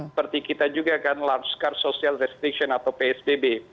seperti kita juga kan lanscar social restriction atau psbb